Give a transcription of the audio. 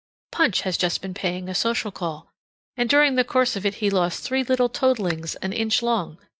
Punch has just been paying a social call, and during the course of it he lost three little toadlings an inch long.